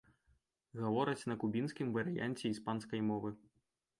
Гавораць на кубінскім варыянце іспанскай мовы.